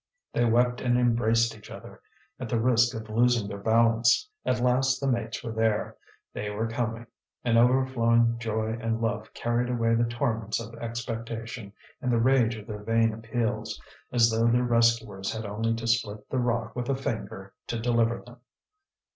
They wept and embraced each other, at the risk of losing their balance. At last the mates were there, they were coming. An overflowing joy and love carried away the torments of expectation and the rage of their vain appeals, as though their rescuers had only to split the rock with a finger to deliver them.